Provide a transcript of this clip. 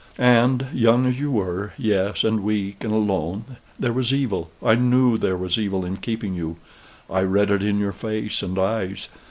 And, young as you were yes, and weak and alone there was evil, I knew there was evil in keeping you. I read it in your face and eyes.